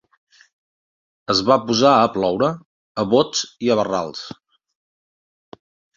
Es va posar a ploure a bots i a barrals.